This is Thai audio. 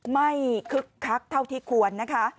คึกคักเท่าที่ควรนะคะ